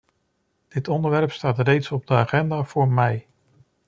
Dit onderwerp staat reeds op de agenda voor mei.